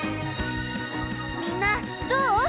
みんなどう？